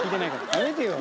やめてよ。